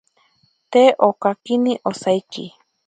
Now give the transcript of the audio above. Te okakini osaiki.